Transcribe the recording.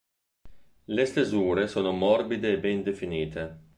Le stesure sono morbide e ben definite.